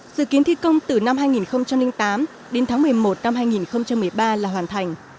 dự kiến thi công từ năm hai nghìn tám đến tháng một mươi một năm hai nghìn một mươi ba là hoàn thành